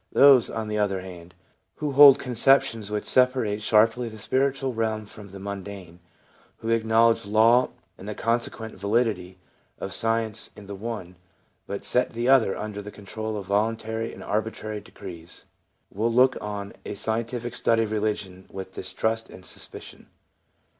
Those, on the other hand, who hold conceptions which separate sharply the spiritual realm from the mundane, who acknowledge law and the consequent validity of science in the one, but set the other under the control of voluntary and arbitrary decrees, will look on a scientific study of religion with distrust and suspicion.